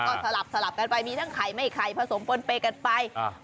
ก็สลับสลับกันไปมีทั้งไข่ไม่ไข่ผสมปนเปย์กันไปอ่า